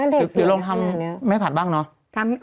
เดี๋ยวลองทำแม่ผัดบ้างเนอะ